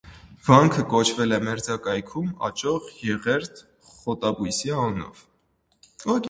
Վանքը կոչվել է մերձակայքում աճող եղերդ խոտաբույսի անունով։